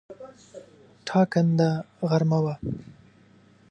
ټاکنده غرمه وه.